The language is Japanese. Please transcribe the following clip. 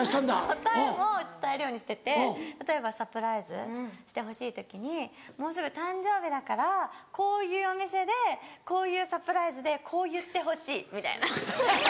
答えを伝えるようにしてて例えばサプライズしてほしい時にもうすぐ誕生日だからこういうお店でこういうサプライズでこう言ってほしいみたいな。